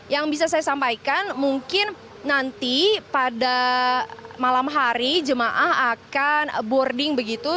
yang bisa saya sampaikan mungkin nanti pada malam hari jemaah akan boarding begitu